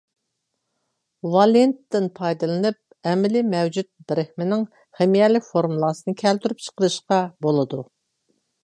ۋالېنتتىن پايدىلىنىپ ئەمەلىي مەۋجۇت بىرىكمىنىڭ خىمىيەلىك فورمۇلىسىنى كەلتۈرۈپ چىقىرىشقا بولىدۇ.